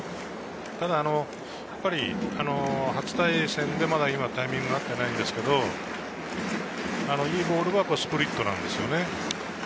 ただやっぱり、初対戦でタイミングが合っていないんですけれど、いいボールはスプリットなんですよね。